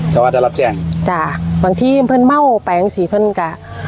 ชาวอาทรัพย์แจ้งจ้ะบางทีเพื่อนเม่าแปลงสิเพื่อนกะ